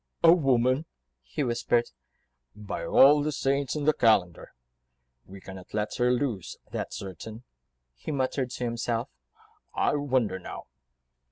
"A woman!" he whispered, "by all the Saints in the calendar." "We cannot let her loose, that's certain," he muttered to himself. "I wonder now